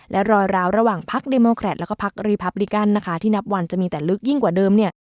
และรอยราวระหว่างพักเดโมแครตแล้วก็พักรีพับลิกันนะคะที่นับวันจะมีแต่ลึกยิ่งกว่าเดิมเนี่ย